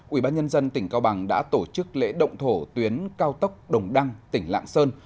ubnd tỉnh cao bằng đã tổ chức lễ động thổ tuyến cao tốc đồng đăng tỉnh lạng sơn